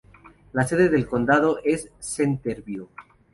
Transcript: La sede del condado es Centerville.